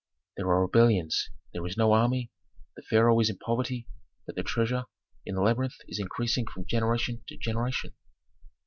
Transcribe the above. There are rebellions, there is no army, the pharaoh is in poverty; but the treasure in the labyrinth is increasing from generation to generation."